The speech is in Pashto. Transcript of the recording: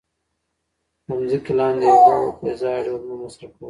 د ځمکې لاندې اوبه په بې ځایه ډول مه مصرفوئ.